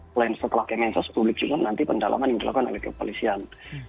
selain setelah kementerian sosial publik juga menanti pendalaman yang dilakukan oleh kepolisian